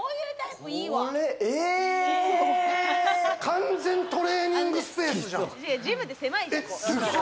完全トレーニングスペースやん。